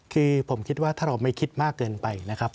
คือผมคิดว่าถ้าเราไม่คิดมากเกินไปนะครับ